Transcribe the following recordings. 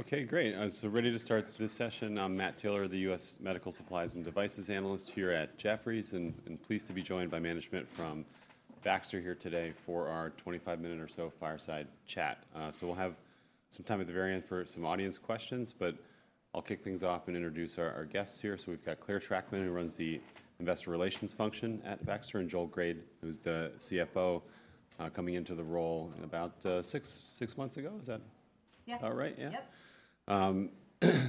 Okay, great. So ready to start this session. I'm Matt Taylor, the U.S. Medical Supplies and Devices analyst here at Jefferies, and pleased to be joined by management from Baxter here today for our 25-minute or so fireside chat. So we'll have some time at the very end for some audience questions, but I'll kick things off and introduce our guests here. So we've got Clare Trachtman, who runs the investor relations function at Baxter, and Joel Grade, who's the CFO, coming into the role about six months ago. Is that about right? Yeah. Yep.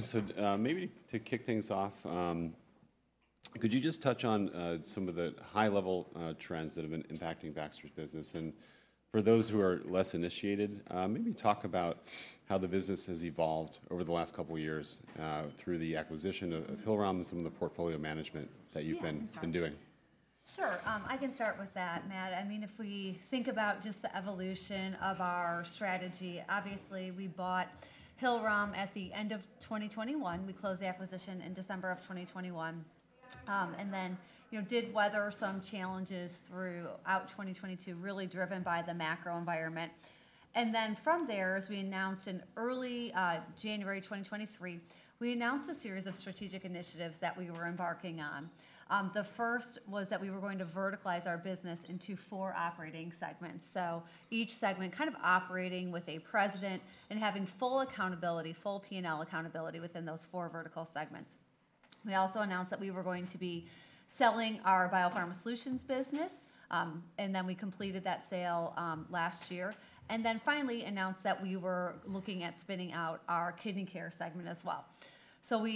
So, maybe to kick things off, could you just touch on some of the high-level trends that have been impacting Baxter's business? And for those who are less initiated, maybe talk about how the business has evolved over the last couple of years, through the acquisition of, of Hillrom and some of the portfolio management that you've been doing. Sure, I can start with that, Matt. I mean, if we think about just the evolution of our strategy, obviously, we bought Hillrom at the end of 2021. We closed the acquisition in December of 2021, and then, you know, did weather some challenges throughout 2022, really driven by the macro environment. And then from there, as we announced in early January 2023, we announced a series of strategic initiatives that we were embarking on. The first was that we were going to verticalize our business into four operating segments. So each segment kind of operating with a president and having full accountability, full P&L accountability within those four vertical segments. We also announced that we were going to be selling our BioPharma Solutions business, and then we completed that sale last year, and then finally announced that we were looking at spinning out our Kidney Care segment as well. So...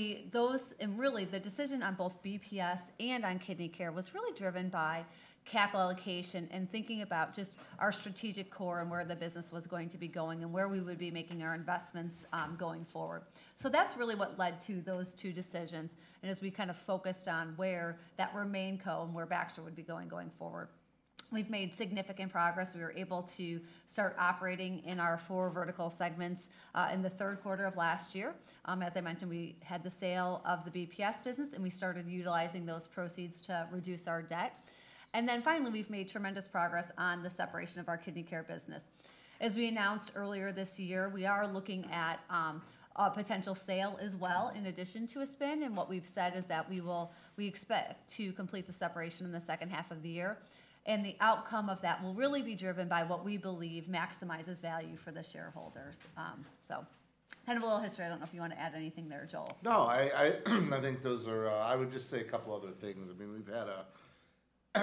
And really, the decision on both BPS and on Kidney Care was really driven by capital allocation and thinking about just our strategic core and where the business was going to be going, and where we would be making our investments going forward. So that's really what led to those two decisions, and as we kind of focused on where that RemainCo and where Baxter would be going, going forward. We've made significant progress. We were able to start operating in our four vertical segments in the third quarter of last year. As I mentioned, we had the sale of the BPS business, and we started utilizing those proceeds to reduce our debt. And then finally, we've made tremendous progress on the separation of our Kidney Care business. As we announced earlier this year, we are looking at a potential sale as well, in addition to a spin, and what we've said is that we expect to complete the separation in the second half of the year. And the outcome of that will really be driven by what we believe maximizes value for the shareholders. So kind of a little history. I don't know if you want to add anything there, Joel. No, I think those are. I would just say a couple other things. I mean, we've had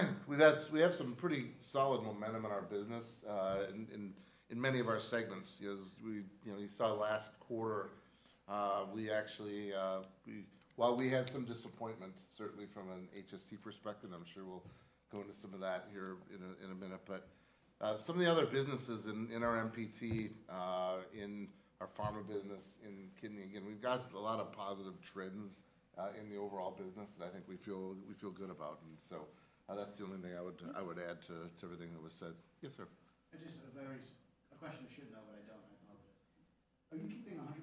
a—we've had some, we have some pretty solid momentum in our business, in many of our segments. As we—you know, you saw last quarter, we actually, we—while we had some disappointment, certainly from an HST perspective, I'm sure we'll go into some of that here in a minute. But, some of the other businesses in, in our MPT, in our pharma business, in Kidney, again, we've got a lot of positive trends, in the overall business that I think we feel good about. And so, that's the only thing I would add to everything that was said. Yes, sir? Just a question I should know, but I don't. Are you keeping 100%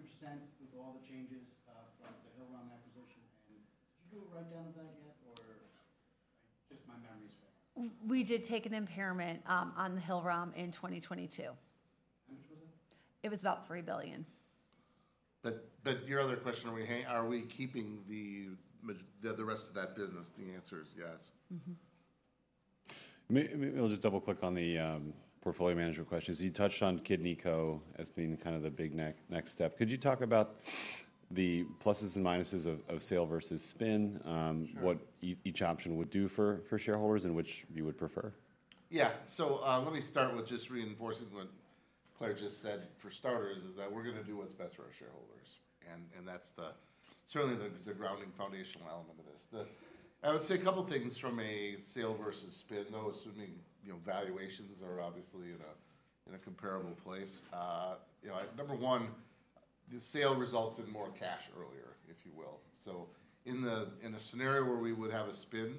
with all the changes from the Hillrom acquisition, and did you do a write-down of that yet, or? Just my memory's failing. We did take an impairment on the Hillrom in 2022. How much was it? It was about $3 billion. But your other question, are we keeping the rest of that business? The answer is yes. Mm-hmm. Maybe I'll just double-click on the portfolio management question. So you touched on KidneyCo as being kind of the big next step. Could you talk about the pluses and minuses of sale versus spin? Sure. What each option would do for shareholders, and which you would prefer? Yeah. So, let me start with just reinforcing what Clare just said. For starters, is that we're gonna do what's best for our shareholders, and, and that's the-- certainly the, the grounding foundational element of this. The, I would say a couple things from a sale versus spin, though, assuming, you know, valuations are obviously in a, in a comparable place. You know, number one, the sale results in more cash earlier, if you will. So in a scenario where we would have a spin,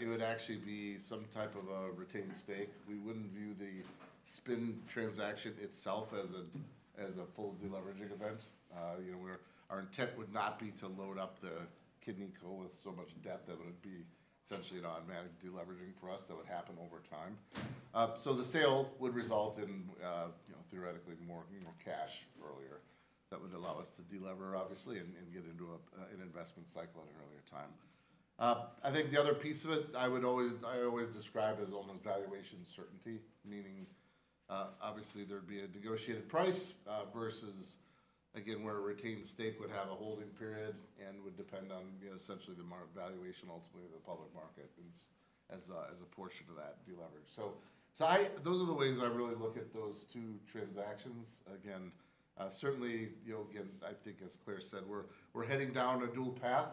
it would actually be some type of a retained stake. We wouldn't view the spin transaction itself as a, as a full deleveraging event. You know, where our intent would not be to load up the KidneyCo with so much debt that it would be essentially an automatic deleveraging for us. That would happen over time. So the sale would result in, you know, theoretically, more cash earlier that would allow us to delever, obviously, and get into an investment cycle at an earlier time. I think the other piece of it, I always describe as almost valuation certainty, meaning, obviously, there'd be a negotiated price, versus, again, where a retained stake would have a holding period and would depend on, you know, essentially the market valuation ultimately of the public market as a portion of that deleverage. So those are the ways I really look at those two transactions. Again, certainly, you know, again, I think as Clare said, we're heading down a dual path.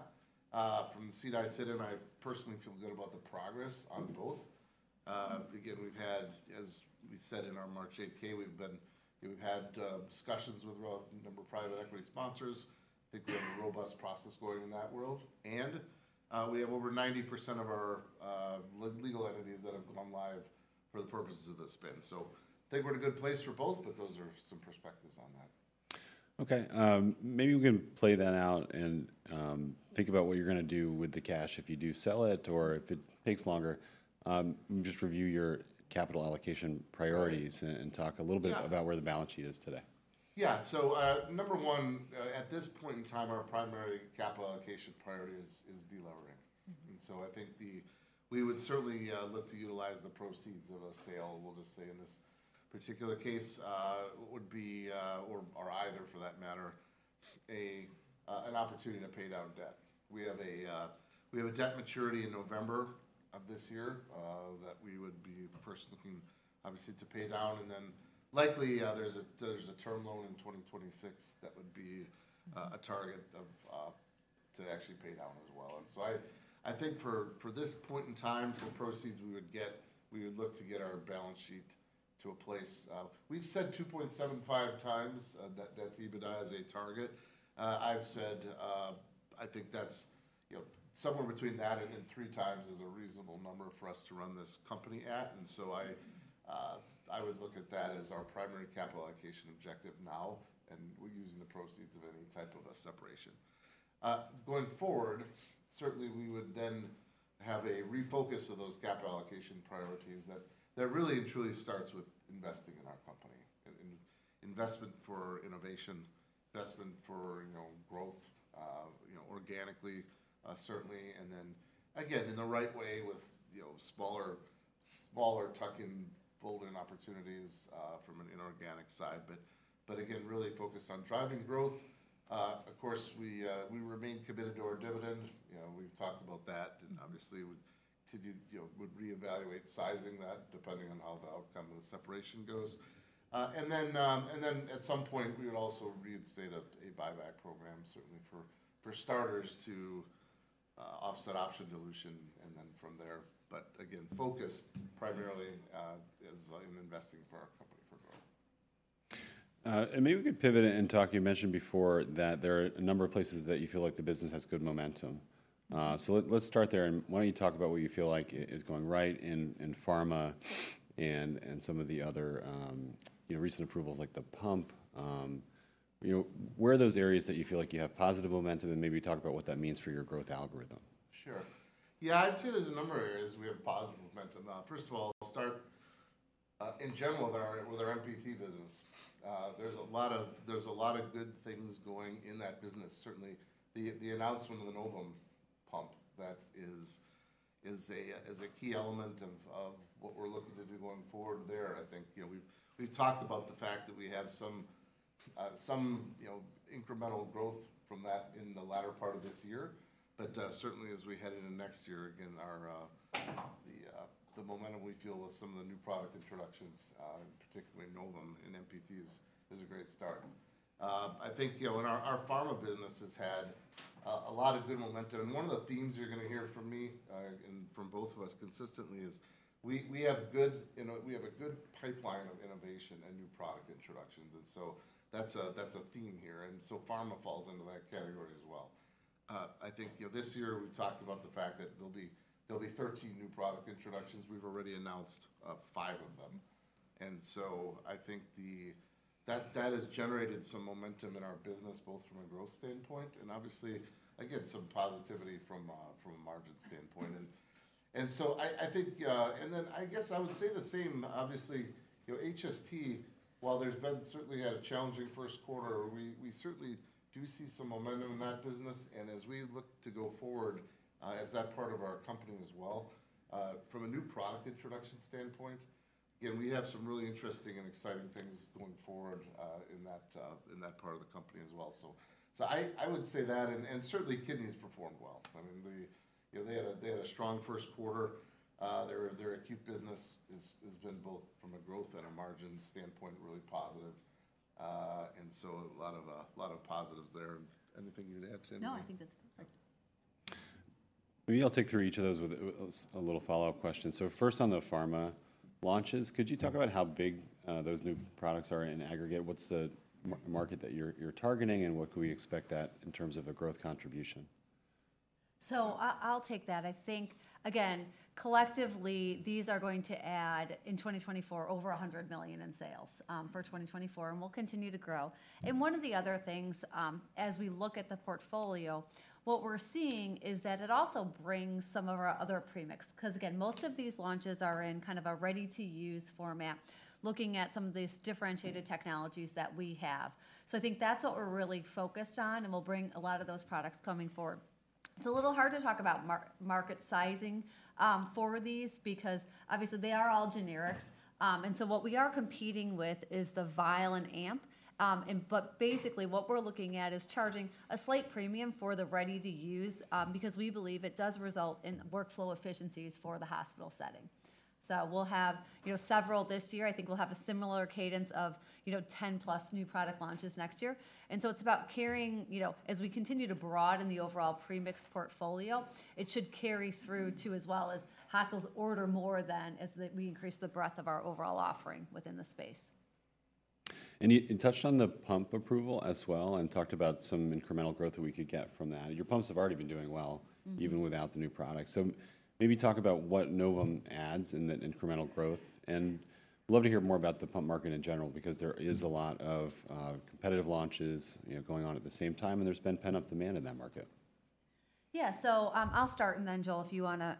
From the seat I sit in, I personally feel good about the progress on both. Again, we've had, as we said in our March 8-K, we've had discussions with a number of private equity sponsors. I think we have a robust process going in that world, and we have over 90% of our legal entities that have gone live for the purposes of the spin. So I think we're in a good place for both, but those are some perspectives on that. Okay, maybe we can play that out and, think about what you're gonna do with the cash if you do sell it, or if it takes longer. Just review your capital allocation priorities and talk a little bit about where the balance sheet is today. Yeah, so, number one, at this point in time, our primary capital allocation priority is de-levering. And so I think we would certainly look to utilize the proceeds of a sale, we'll just say in this particular case, would be, or either for that matter, an opportunity to pay down debt. We have a debt maturity in November of this year that we would be first looking, obviously, to pay down, and then likely there's a term loan in 2026 that would be a target of to actually pay down as well. And so I think for this point in time, for proceeds we would get we would look to get our balance sheet to a place... We've said 2.75x debt-to-EBITDA as a target. I've said, I think that's, you know, somewhere between that and then 3x is a reasonable number for us to run this company at. And so I would look at that as our primary capital allocation objective now, and we're using the proceeds of any type of a separation. Going forward, certainly, we would then have a refocus of those capital allocation priorities that really and truly starts with investing in our company, in investment for innovation, investment for, you know, growth, you know, organically, certainly, and then again, in the right way with, you know, smaller tuck-in, fold-in opportunities, from an inorganic side, but again, really focused on driving growth. Of course, we remain committed to our dividend. You know, we've talked about that, and obviously, we would continue, you know, would reevaluate sizing that depending on how the outcome of the separation goes. And then at some point, we would also reinstate a buyback program, certainly for starters, to offset option dilution and then from there. But again, focus primarily is on investing for our company for growth. And maybe we could pivot and talk, you mentioned before that there are a number of places that you feel like the business has good momentum. So let's start there, and why don't you talk about what you feel like is going right in pharma and some of the other, you know, recent approvals like the pump. You know, where are those areas that you feel like you have positive momentum, and maybe talk about what that means for your growth algorithm? Sure. Yeah, I'd say there's a number of areas we have positive momentum. First of all, I'll start in general with our MPT business. There's a lot of good things going in that business. Certainly, the announcement of the Novum pump is a key element of what we're looking to do going forward there. I think, you know, we've talked about the fact that we have some incremental growth from that in the latter part of this year. But certainly as we head into next year, the momentum we feel with some of the new product introductions, particularly Novum in MPT, is a great start. I think, you know, and our, our pharma business has had a lot of good momentum, and one of the themes you're going to hear from me, and from both of us consistently is we, we have good, you know, we have a good pipeline of innovation and new product introductions, and so that's a, that's a theme here, and so pharma falls into that category as well. I think, you know, this year we've talked about the fact that there'll be, there'll be 13 new product introductions. We've already announced five of them, and so I think that, that has generated some momentum in our business, both from a growth standpoint and obviously, again, some positivity from a, from a margin standpoint. And so I think, and then I guess I would say the same, obviously, you know, HST, while there's been certainly had a challenging first quarter, we certainly do see some momentum in that business. And as we look to go forward, as that part of our company as well, from a new product introduction standpoint, again, we have some really interesting and exciting things going forward, in that part of the company as well. So I would say that, and certainly Kidney performed well. I mean, they, you know, they had a strong first quarter. Their acute business has been both from a growth and a margin standpoint, really positive. And so a lot of positives there. Anything you'd add, Clare? No, I think that's perfect. Maybe I'll take through each of those with a little follow-up question. So first, on the pharma launches, could you talk about how big those new products are in aggregate? What's the market that you're targeting, and what can we expect that in terms of a growth contribution? So I'll take that. I think, again, collectively, these are going to add, in 2024, over $100 million in sales for 2024, and we'll continue to grow. And one of the other things, as we look at the portfolio, what we're seeing is that it also brings some of our other premix, 'cause again, most of these launches are in kind of a ready-to-use format, looking at some of these differentiated technologies that we have. So I think that's what we're really focused on, and we'll bring a lot of those products coming forward. It's a little hard to talk about market sizing for these because obviously they are all generics. And so what we are competing with is the vial and amp. Basically, what we're looking at is charging a slight premium for the ready-to-use, because we believe it does result in workflow efficiencies for the hospital setting. So we'll have, you know, several this year. I think we'll have a similar cadence of, you know, 10+ new product launches next year. And so it's about carrying. You know, as we continue to broaden the overall premix portfolio, it should carry through to as well as hospitals order more than as the we increase the breadth of our overall offering within the space. And you touched on the pump approval as well and talked about some incremental growth that we could get from that. Your pumps have already been doing well even without the new product. So maybe talk about what Novum adds in that incremental growth, and love to hear more about the pump market in general, because there is a lot of competitive launches, you know, going on at the same time, and there's been pent-up demand in that market. Yeah, so, I'll start, and then, Joel, if you wanna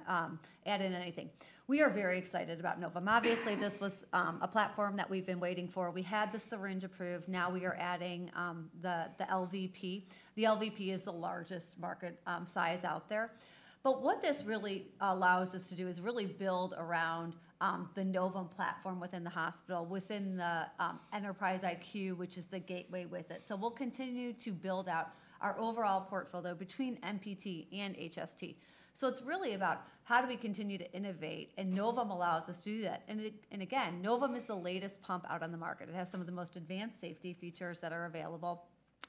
add in anything. We are very excited about Novum. Obviously, this was a platform that we've been waiting for. We had the syringe approved; now we are adding the LVP. The LVP is the largest market size out there. But what this really allows us to do is really build around the Novum platform within the hospital, within the Enterprise IQ, which is the gateway with it. So we'll continue to build out our overall portfolio between MPT and HST. So it's really about: How do we continue to innovate? And Novum allows us to do that, and it, and again, Novum is the latest pump out on the market. It has some of the most advanced safety features that are available,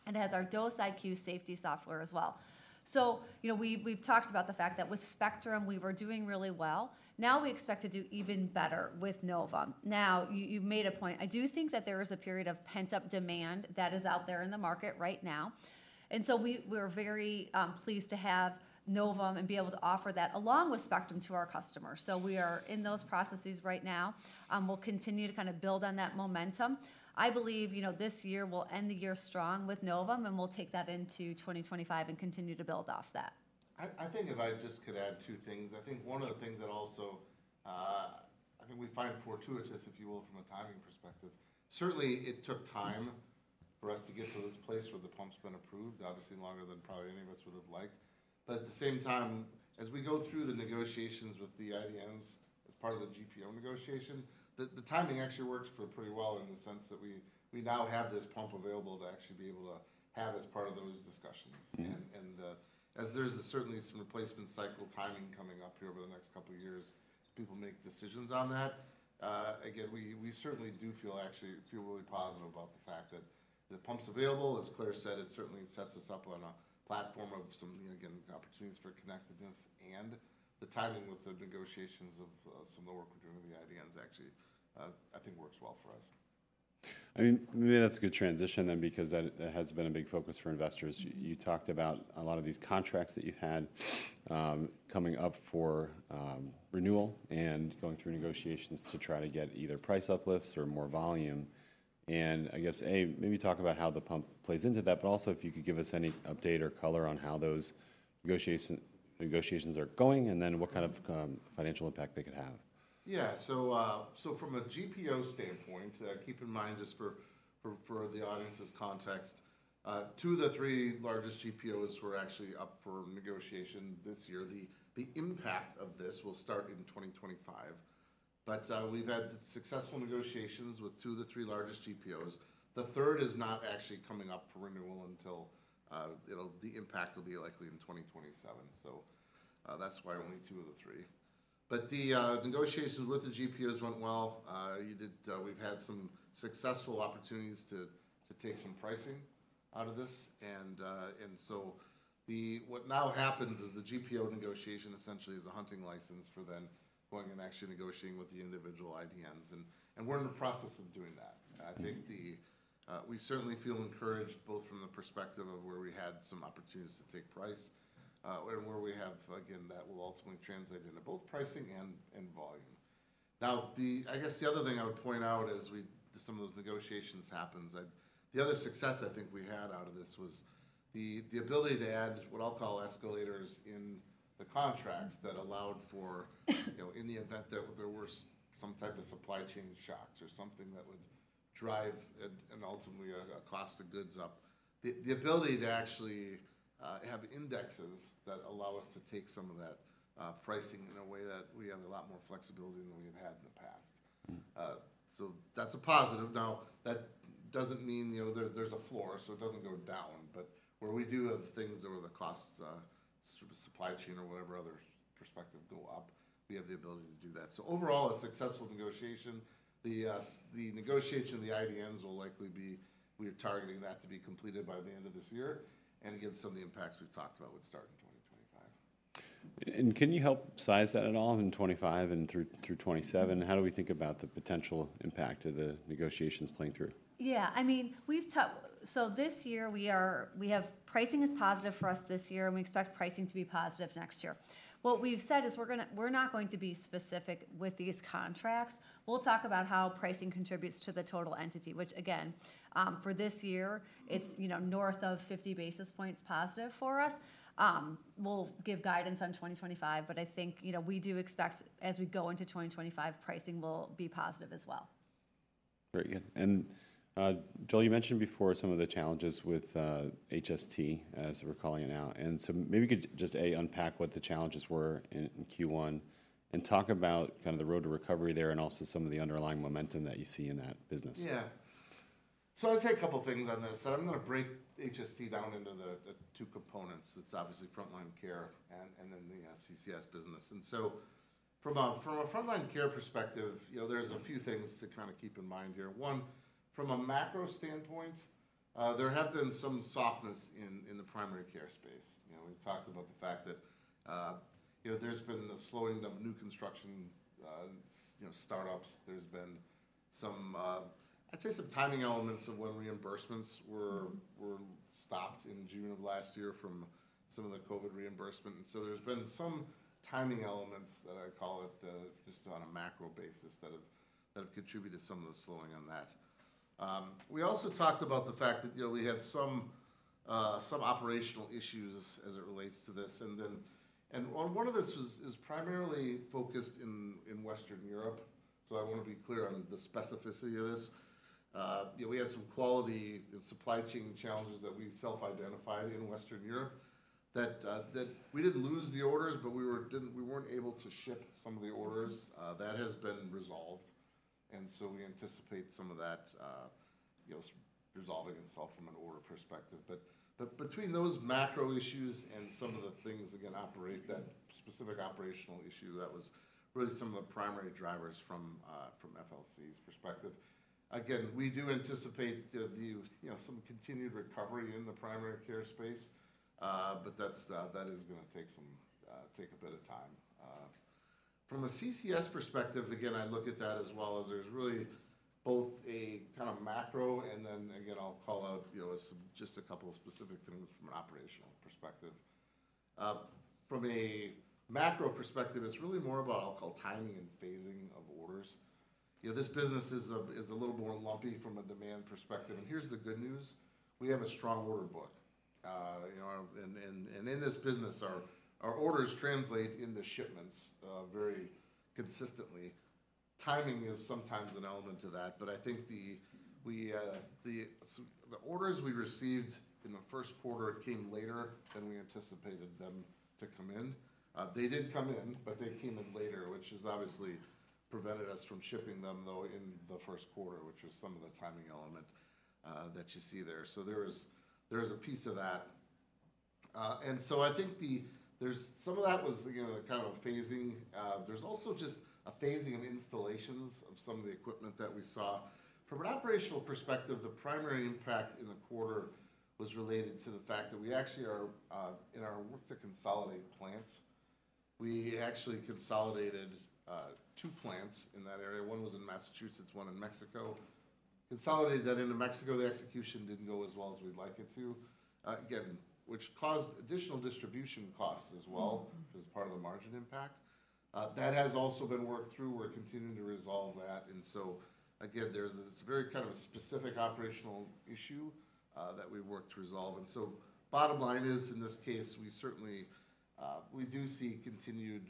and it has our Dose IQ safety software as well. So, you know, we've talked about the fact that with Spectrum, we were doing really well. Now we expect to do even better with Novum. Now, you've made a point. I do think that there is a period of pent-up demand that is out there in the market right now, and so we're very pleased to have Novum and be able to offer that, along with Spectrum, to our customers. So we are in those processes right now, we'll continue to kind of build on that momentum. I believe, you know, this year, we'll end the year strong with Novum, and we'll take that into 2025 and continue to build off that. I think if I just could add two things. I think one of the things that also, I think we find fortuitous, if you will, from a timing perspective. Certainly, it took time for us to get to this place where the pump's been approved, obviously longer than probably any of us would have liked. But at the same time, as we go through the negotiations with the IDNs as part of the GPO negotiation, the timing actually works out pretty well in the sense that we now have this pump available to actually be able to have as part of those discussions. Mm-hmm. As there's certainly some replacement cycle timing coming up here over the next couple of years, as people make decisions on that, again, we, we certainly do feel actually feel really positive about the fact that the pump's available. As Clare said, it certainly sets us up on a platform of some, again, opportunities for connectedness and the timing with the negotiations of some of the work we're doing with the IDNs actually, I think works well for us. I mean, maybe that's a good transition then because that, that has been a big focus for investors. You talked about a lot of these contracts that you've had, coming up for, renewal and going through negotiations to try to get either price uplifts or more volume. And I guess, A, maybe talk about how the pump plays into that, but also if you could give us any update or color on how those negotiations are going, and then what kind of, financial impact they could have. Yeah. So from a GPO standpoint, keep in mind, just for the audience's context, two of the three largest GPOs were actually up for negotiation this year. The impact of this will start in 2025, but we've had successful negotiations with two of the three largest GPOs. The third is not actually coming up for renewal until... It'll, the impact will be likely in 2027, so that's why only two of the three. But the negotiations with the GPOs went well. We've had some successful opportunities to take some pricing out of this, and so what now happens is the GPO negotiation essentially is a hunting license for then going and actually negotiating with the individual IDNs, and we're in the process of doing that. I think we certainly feel encouraged, both from the perspective of where we had some opportunities to take price, and where we have, again, that will ultimately translate into both pricing and volume. Now, I guess the other thing I would point out as some of those negotiations happens, the other success I think we had out of this was the ability to add what I'll call escalators in the contracts that allowed for—you know, in the event that there were some type of supply chain shocks or something that would drive and ultimately a cost of goods up, the ability to actually have indexes that allow us to take some of that pricing in a way that we have a lot more flexibility than we have had in the past. Mmm. So that's a positive. Now, that doesn't mean, you know, there, there's a floor, so it doesn't go down, but where we do have things where the costs, sort of supply chain or whatever other perspective go up, we have the ability to do that. So overall, a successful negotiation. The negotiation of the IDNs will likely be, we are targeting that to be completed by the end of this year, and again, some of the impacts we've talked about would start in 2025. Can you help size that at all in 2025 and through 2027? How do we think about the potential impact of the negotiations playing through? Yeah. I mean, pricing is positive for us this year, and we expect pricing to be positive next year. What we've said is we're not going to be specific with these contracts. We'll talk about how pricing contributes to the total entity, which again, for this year, it's, you know, north of 50 basis points positive for us. We'll give guidance on 2025, but I think, you know, we do expect as we go into 2025, pricing will be positive as well. Very good. And, Joel, you mentioned before some of the challenges with, HST, as we're calling it now. And so maybe you could just, A, unpack what the challenges were in Q1, and talk about kind of the road to recovery there and also some of the underlying momentum that you see in that business. Yeah. So I'd say a couple things on this. I'm gonna break HST down into the two components. It's obviously Front Line Care and then the CCS business. And so from a Front Line Care perspective, you know, there's a few things to kind of keep in mind here. One, from a macro standpoint, there have been some softness in the primary care space. You know, we've talked about the fact that, you know, there's been a slowing of new construction, you know, startups. There's been some, I'd say some timing elements of when reimbursements were stopped in June of last year from some of the COVID reimbursement. And so there's been some timing elements that I'd call it, just on a macro basis, that have contributed to some of the slowing on that. We also talked about the fact that, you know, we had some operational issues as it relates to this, and one of this is primarily focused in Western Europe, so I want to be clear on the specificity of this. You know, we had some quality and supply chain challenges that we self-identified in Western Europe that we didn't lose the orders, but we weren't able to ship some of the orders. That has been resolved, and so we anticipate some of that, you know, resolving itself from an order perspective. But between those macro issues and some of the things, again, that specific operational issue, that was really some of the primary drivers from FLC's perspective. Again, we do anticipate the you know some continued recovery in the primary care space, but that's that is gonna take some take a bit of time. From a CCS perspective, again, I look at that as well, as there's really both a kind of macro, and then again, I'll call out you know some just a couple of specific things from an operational perspective. From a macro perspective, it's really more about I'll call timing and phasing of orders. You know, this business is a little more lumpy from a demand perspective, and here's the good news: we have a strong order book. You know, and in this business, our orders translate into shipments very consistently. Timing is sometimes an element to that, but I think the... The orders we received in the first quarter came later than we anticipated them to come in. They did come in, but they came in later, which has obviously prevented us from shipping them though in the first quarter, which was some of the timing element that you see there. So there's a piece of that. And so I think there's some of that was, again, a kind of a phasing. There's also just a phasing of installations of some of the equipment that we saw. From an operational perspective, the primary impact in the quarter was related to the fact that we actually are in our work to consolidate plants. We actually consolidated two plants in that area, one was in Massachusetts, one in Mexico. Consolidated that into Mexico, the execution didn't go as well as we'd like it to, again, which caused additional distribution costs as well, as part of the margin impact. That has also been worked through. We're continuing to resolve that, and so again, there's this very kind of specific operational issue that we've worked to resolve, and so bottom line is, in this case, we certainly, we do see continued,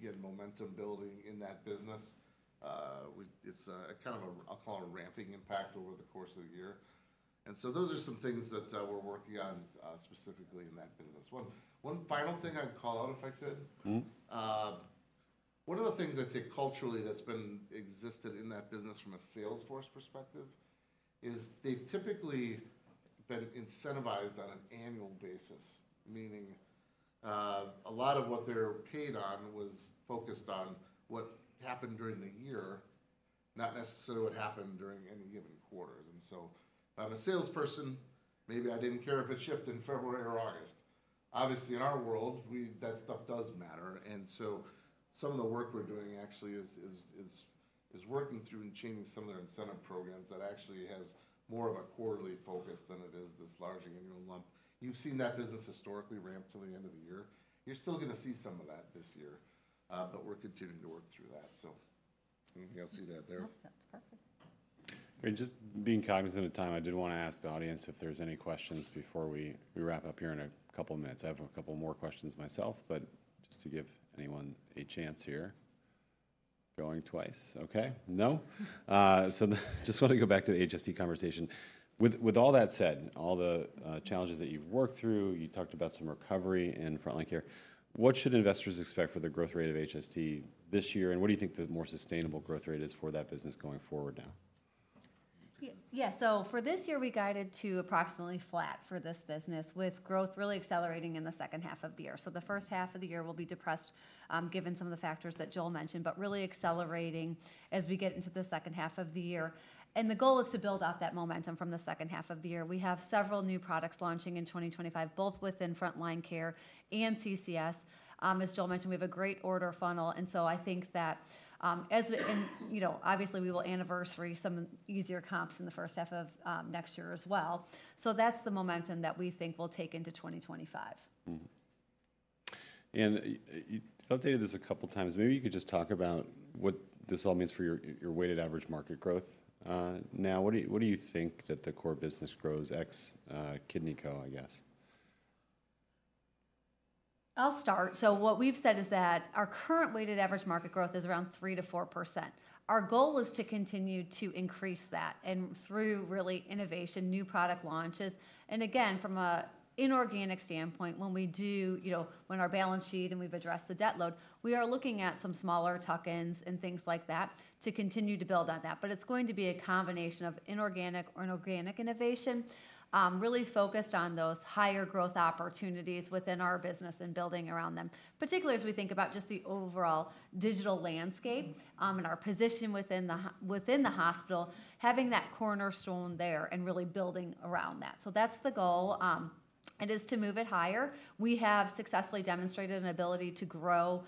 again, momentum building in that business. It's a kind of a, I'll call it a ramping impact over the course of the year, and so those are some things that we're working on, specifically in that business. One final thing I'd call out, if I could? Mm-hmm. One of the things that's culturally that's been existed in that business from a sales force perspective is they've typically been incentivized on an annual basis, meaning a lot of what they're paid on was focused on what happened during the year, not necessarily what happened during any given quarter. And so if I'm a salesperson, maybe I didn't care if it shipped in February or August. Obviously, in our world, we, that stuff does matter, and so some of the work we're doing actually is working through and changing some of their incentive programs that actually has more of a quarterly focus than it is this large annual lump. You've seen that business historically ramp till the end of the year. You're still gonna see some of that this year, but we're continuing to work through that. So you all see that there? Yep, that's perfect. Just being cognizant of time, I did wanna ask the audience if there's any questions before we wrap up here in a couple of minutes. I have a couple more questions myself, but just to give anyone a chance here. Going twice. Okay. No? Just wanna go back to the HST conversation. With all that said, all the challenges that you've worked through, you talked about some recovery in Front Line Care. What should investors expect for the growth rate of HST this year, and what do you think the more sustainable growth rate is for that business going forward now? Yeah, so for this year, we guided to approximately flat for this business, with growth really accelerating in the second half of the year. So the first half of the year will be depressed, given some of the factors that Joel mentioned, but really accelerating as we get into the second half of the year. The goal is to build off that momentum from the second half of the year. We have several new products launching in 2025, both within Front Line Care and CCS. As Joel mentioned, we have a great order funnel, and so I think that, you know, obviously, we will anniversary some easier comps in the first half of next year as well. So that's the momentum that we think will take into 2025. Mm-hmm. And you updated this a couple times. Maybe you could just talk about what this all means for your, your weighted average market growth. Now, what do you think that the core business grows ex-KidneyCo, I guess? I'll start. So what we've said is that our current weighted average market growth is around 3%-4%. Our goal is to continue to increase that, and through really innovation, new product launches, and again, from a inorganic standpoint, when we do... you know, when our balance sheet and we've addressed the debt load, we are looking at some smaller tuck-ins and things like that to continue to build on that. But it's going to be a combination of inorganic or inorganic innovation, really focused on those higher growth opportunities within our business and building around them, particularly as we think about just the overall digital landscape, and our position within the hospital, having that cornerstone there and really building around that. So that's the goal, it is to move it higher. We have successfully demonstrated an ability to grow,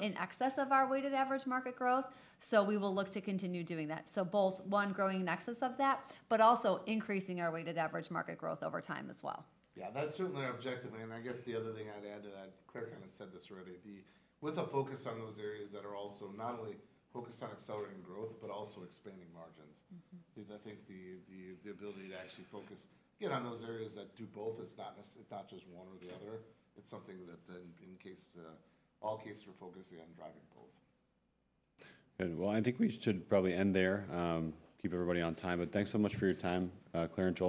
in excess of our weighted average market growth, so we will look to continue doing that. So both, one, growing in excess of that, but also increasing our weighted average market growth over time as well. Yeah, that's certainly our objective, and I guess the other thing I'd add to that, Clare kind of said this already, with a focus on those areas that are also not only focused on accelerating growth, but also expanding margins. Mm-hmm. I think the ability to actually focus, again, on those areas that do both is not necessarily not just one or the other. It's something that in all cases we're focusing on driving both. Good. Well, I think we should probably end there, keep everybody on time, but thanks so much for your time, Clare and Joel.